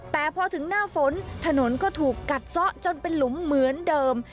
แต่พอถึงหน้าฝนถนนก็ถูกกัดซะจนเป็นหลุมเหมือนเดิม